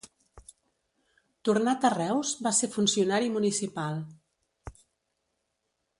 Tornat a Reus, va ser funcionari municipal.